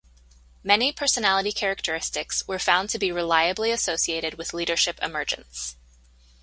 Many personality characteristics were found to be reliably associated with leadership emergence.